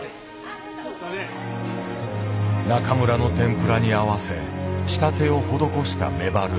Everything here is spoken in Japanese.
中村の天ぷらに合わせ仕立てを施したメバル。